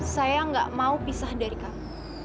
saya nggak mau pisah dari kamu